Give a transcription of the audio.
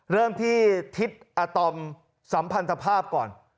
เริ่มที่ทิศอาตอมสัมพันธภาพก่อน